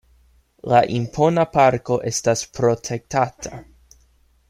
La impona parko estas protektata.